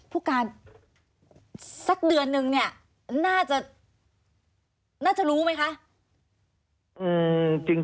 ผู้การสักเดือนนึงเนี่ยน่าจะน่าจะรู้ไหมคะ